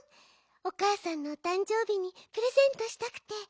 おかあさんのおたんじょうびにプレゼントしたくて。